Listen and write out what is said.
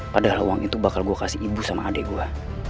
padahal uang itu bakal gue kasih ibu sama adik gue